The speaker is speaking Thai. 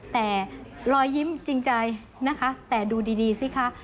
แต่รอยยิ้มจริงใจนะคะแต่ดูดีสิคะ